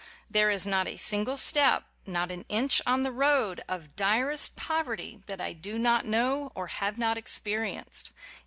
There is not a single step, not an inch, on the road of direst poverty that I do not know or have not experi enced.